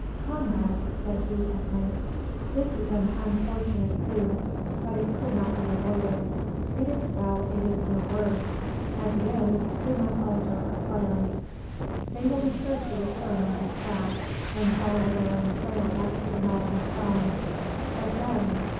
"Comrades!" said he at length, "this is an unfortunate coup, but it could not be avoided. It is well it is no worse. As it is, we must alter our plans. They will be sure to return on his track, and follow their own trail back to the Navajo towns. What then?